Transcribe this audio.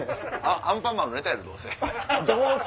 『アンパンマン』のネタやどうせ。